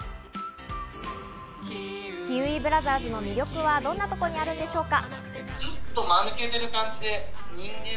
キウイブラザーズの魅力はどんなところにあるんでしょうか。